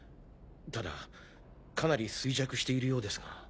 ただかなり衰弱しているようですが。